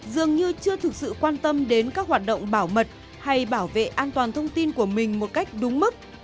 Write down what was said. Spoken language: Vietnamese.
dường như chưa thực sự quan tâm đến các hoạt động bảo mật hay bảo vệ an toàn thông tin của mình một cách đúng mức